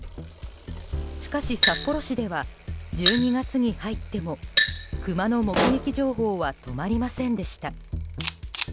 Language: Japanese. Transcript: しかし、札幌市では１２月に入ってもクマの目撃情報は止まりませんでした。